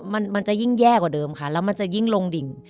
มันมันจะยิ่งแย่กว่าเดิมค่ะแล้วมันจะยิ่งลงดิ่ง